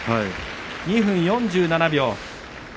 ２分４７秒です。